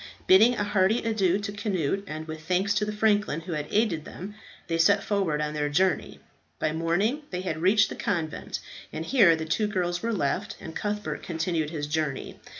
Bidding a hearty adieu to Cnut, and with thanks to the franklin who had aided them, they set forward on their journey. By morning they had reached the convent, and here the two girls were left, and Cuthbert continued his journey.